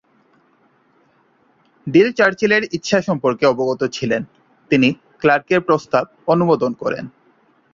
Deal চার্চিলের ইচ্ছা সম্পর্কে অবগত ছিলেন, তিনি ক্লার্কের প্রস্তাব অনুমোদন করেন।